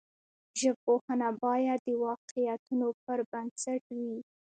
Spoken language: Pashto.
ژبپوهنه باید د واقعیتونو پر بنسټ وي.